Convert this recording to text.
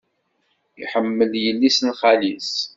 Iḥemmel yelli-s n xali-s.